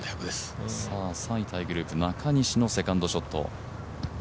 ３位タイグループ、中西のセカンドショット。